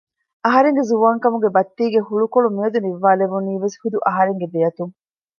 އަހަރެންގެ ޒުވާންކަމުގެ ބައްތީގެ ހުޅުކޮޅު މިއަދު ނިއްވާލެވުނީވެސް ހުދު އަހަރެންގެ ދެއަތުން